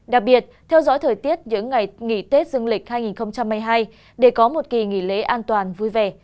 đặc biệt theo dõi thời tiết những ngày nghỉ tết dương lịch hai nghìn hai mươi hai để có một kỳ nghỉ lễ an toàn vui vẻ